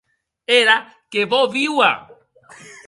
Era que vò víuer.